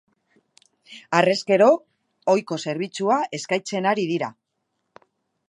Harrezkero ohiko zerbitzua eskaintzen ari dira.